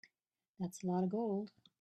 That's a lot of gold.